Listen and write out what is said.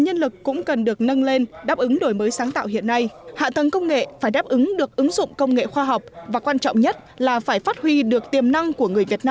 phấn đấu để vượt qua khó khăn ứng dụng công nghệ khoa học tránh tụt hậu